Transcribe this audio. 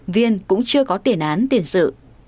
viên cũng chưa có tiền án tiền sự